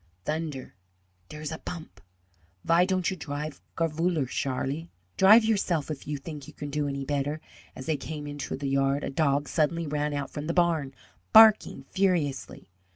"Thunder, dere's a bump! Vy don'd you drive garefuller, Sharlie?" "Drive yourself, if you think you can do any better!" As they came into the yard a dog suddenly ran out from the barn, barking furiously.